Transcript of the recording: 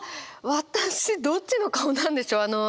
私どっちの顔なんでしょう？